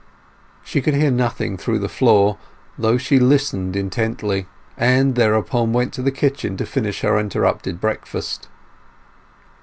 She could hear nothing through the floor, although she listened intently, and thereupon went to the kitchen to finish her interrupted breakfast.